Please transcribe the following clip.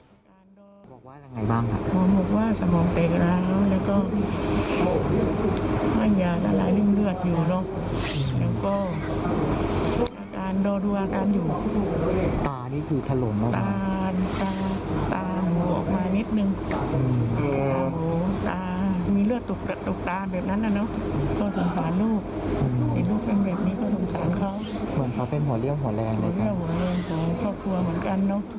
เค้าสงสารลูกอย่างเขาเป็นห่วแลงค่ะ